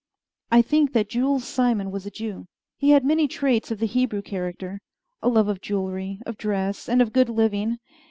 I think that Jules Simon was a Jew. He had many traits of the Hebrew character: a love of jewelry, of dress, and of good living.